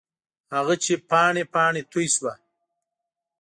هغه چې پاڼې، پاڼې توی شوه